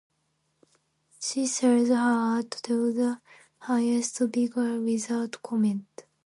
She sells her art to the highest bidder without comment.